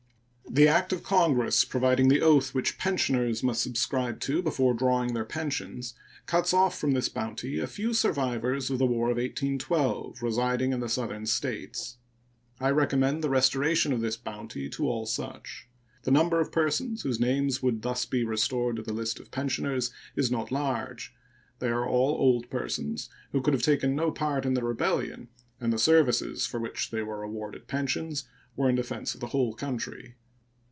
The act of Congress providing the oath which pensioners must subscribe to before drawing their pensions cuts off from this bounty a few survivors of the War of 1812 residing in the Southern States. I recommend the restoration of this bounty to all such. The number of persons whose names would thus be restored to the list of pensioners is not large. They are all old persons, who could have taken no part in the rebellion, and the services for which they were awarded pensions were in defense of the whole country.